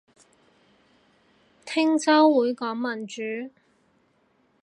聽週會講民主